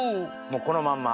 もうこのまんま？